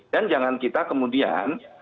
dan jangan kita kemudian